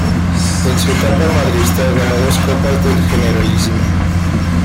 En su etapa madridista ganó dos Copas del Generalísimo.